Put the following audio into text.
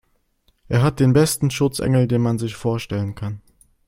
Er hat den besten Schutzengel, den man sich vorstellen kann.